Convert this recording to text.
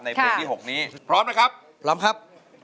เพลงที่๖นี้พร้อมนะครับพร้อมครับ